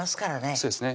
そうですね